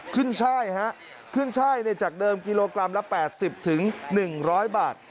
ขึ้นช่ายฮะขึ้นช่ายเนี่ยจากเดิมกิโลกรัมละ๘๐ถึง๑๐๐บาท